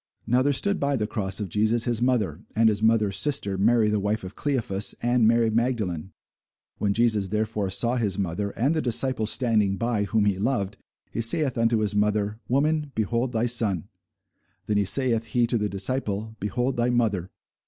Now there stood by the cross of Jesus his mother, and his mother's sister, Mary the wife of Cleophas, and Mary Magdalene. When Jesus therefore saw his mother, and the disciple standing by, whom he loved, he saith unto his mother, Woman, behold thy son! Then saith he to the disciple, Behold thy mother!